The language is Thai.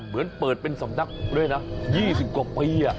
เหมือนเปิดเป็นสำนักด้วยนะ๒๐กว่าปี